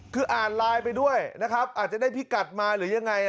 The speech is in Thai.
คืออ่านไลน์ไปด้วยนะครับอาจจะได้พิกัดมาหรือยังไง